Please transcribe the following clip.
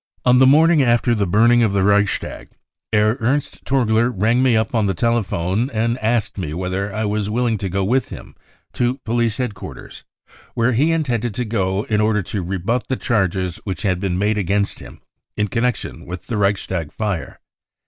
a On the morning after the burning of the Reichstag, Herr Ernst Torgier rang me up on the telephone and asked I me whether I was willing to go with him to police head quarters, where he intended to go in order to rebut the charges which had been made against him in connection with the Reichstag fire.